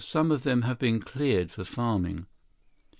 Some of them have been cleared for farming."